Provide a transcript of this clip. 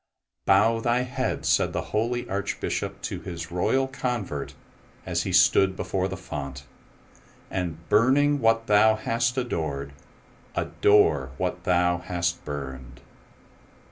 *' Bow thy head,'' said the holy Archbishop to his royal convert as he stood before the font, '' and burning what thou hast adored, adore what thou hast burned."